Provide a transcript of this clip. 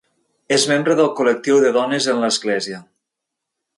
És membre del Col·lectiu de Dones en l'Església.